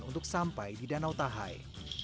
untuk sampai di danau tahai